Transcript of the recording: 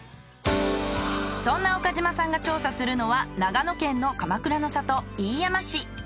そんな岡島さんが調査するのは長野県のかまくらの里飯山市。